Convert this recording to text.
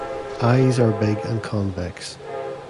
Eyes are big and convex.